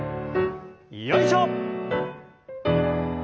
よいしょ！